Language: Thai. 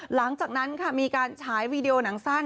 หลังจากนั้นค่ะมีการฉายวีดีโอหนังสั้น